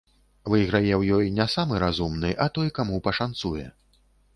Выйграе ў ёй не самы разумны, а той, каму пашанцуе.